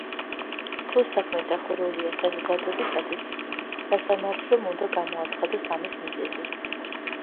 თუ საქმე დახურულია საზოგადოებისათვის, სასამართლომ უნდა გამოაცხადოს ამის მიზეზი.